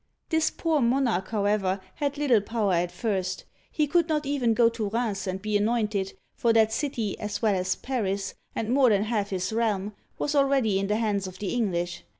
This poor monarch, however, had little power at first ; he could not even go to Rheims and be anointed, for that city, as well as Paris and more than half his realm, was already in the hands of the English.